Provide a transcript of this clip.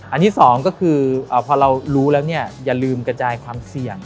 อันนี้สองก็คือพอเรารู้แล้วเนี่ยอย่าลืมกระจายความเสี่ยง